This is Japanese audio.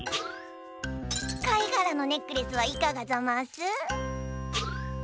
かいがらのネックレスはいかがざます？